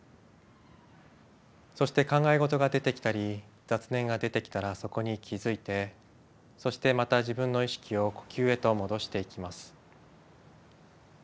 そして考え事が出てきたり雑念が出てきたらそこに気づいてそしてまた自分の意識を呼吸へと戻していきます。